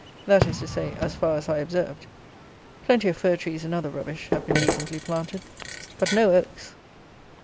That is to say, as far as I observed. Plenty of fir trees and other rubbish have been recently planted; but no oaks.